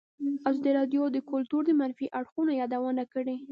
ازادي راډیو د کلتور د منفي اړخونو یادونه کړې.